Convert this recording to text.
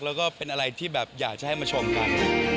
แล้วก็เป็นอะไรที่แบบอยากจะให้มาชมกัน